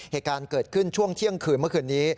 เหตุการณ์เกิดขึ้นช่วงเที่ยงคืนเมื่อคืนนี้